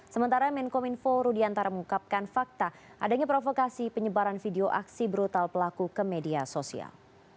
sementara menkom info rudiantara mengungkapkan fakta adanya provokasi penyebaran video aksi brutal pelaku ke media sosial